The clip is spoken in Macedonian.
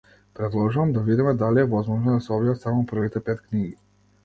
Предложувам да видиме дали е возможно да се објават само првите пет книги.